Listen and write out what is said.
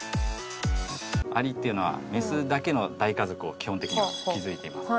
アリっていうのはメスだけの大家族を基本的には築いています。